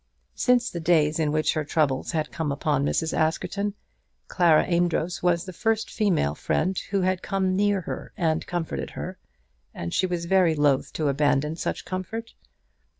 Since the days in which her troubles had come upon Mrs. Askerton, Clara Amedroz was the first female friend who had come near her to comfort her, and she was very loth to abandon such comfort.